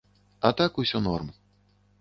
А так усё норм.